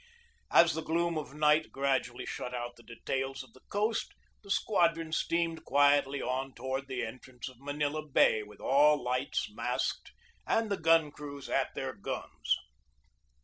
As the gloom of night gradually shut out the details of the coast, the squadron steamed quietly on toward the entrance of Manila Bay with all lights 208 GEORGE DEWEY masked and the gun crews at the guns.